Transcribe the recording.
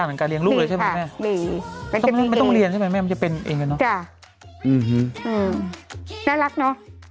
นี่เวทย์แซมเซอร์แมนแล้วแปลงร่างแปลงร่าง